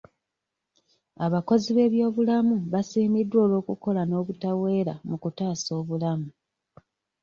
Abakozi b'ebyobulamu basiimiddwa olw'okola n'obutaweera mu kutaasa obulamu.